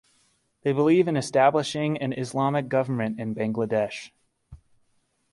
They believe in establishing an Islamic government in Bangladesh.